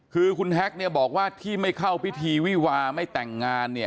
คือคุณแฮ็กบอกว่าที่ไม่เข้าพิธีวิวาไม่แต่งงานเนี่ย